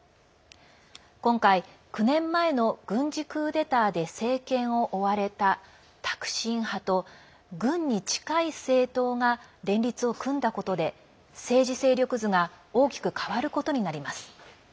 今回、９年前の軍事クーデターで政権を追われたタクシン派と軍に近い政党が連立を組んだことで政治勢力図が大きく変わることになります。